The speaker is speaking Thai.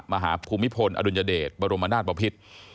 มหาภูมิพลอดุญเดชบรมนาสปภิษ